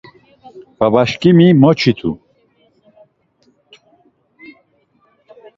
Babaşǩimi moçitu.